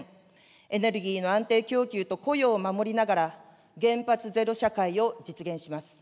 エネルギーの安定供給と雇用を守りながら、原発ゼロ社会を実現します。